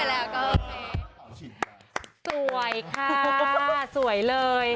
สวยค่ะสวยเลย